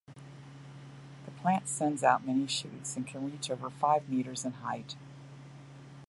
The plant sends out many shoots and can reach over five metres in height.